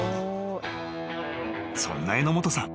［そんな榎本さん。